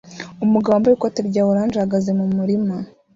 Umugabo wambaye ikoti rya orange ahagaze mumurima